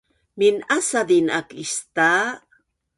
Min’asazin aak istaa